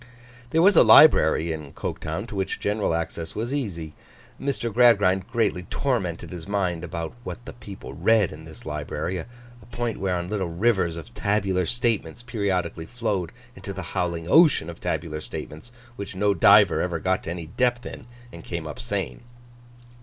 There was a library in Coketown, to which general access was easy. Mr. Gradgrind greatly tormented his mind about what the people read in this library: a point whereon little rivers of tabular statements periodically flowed into the howling ocean of tabular statements, which no diver ever got to any depth in and came up sane.